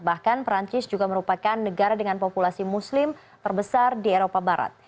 bahkan perancis juga merupakan negara dengan populasi muslim terbesar di eropa barat